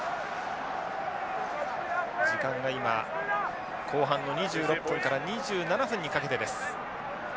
時間が今後半の２６分から２７分にかけてです。